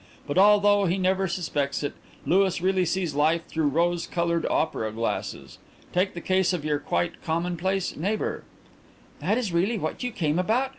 "But, although he never suspects it, Louis really sees life through rose coloured opera glasses. Take the case of your quite commonplace neighbour " "That is really what you came about?"